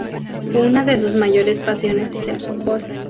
Una de sus mayores pasiones es el fútbol.